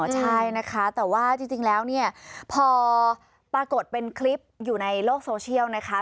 ใช่นะคะแต่ว่าจริงแล้วเนี่ยพอปรากฏเป็นคลิปอยู่ในโลกโซเชียลนะคะ